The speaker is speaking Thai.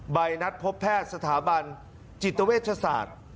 ใบนัดพบแพทย์สถาบันจิตเวชศาสตร์